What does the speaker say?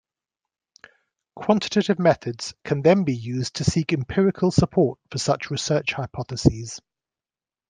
Quantitative methods can then be used to seek empirical support for such research hypotheses.